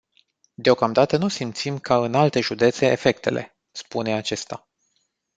Deocamdată nu simțim ca în alte județe efectele, spune acesta.